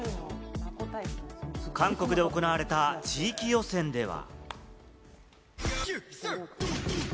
韓国で行われた地域予選では。